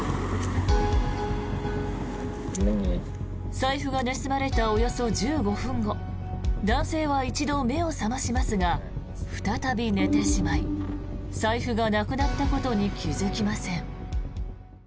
財布が盗まれたおよそ１５分後男性は一度、目を覚ましますが再び寝てしまい財布がなくなったことに気付きません。